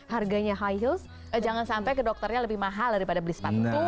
harganya high heels jangan sampai ke dokternya lebih mahal daripada beli sepatu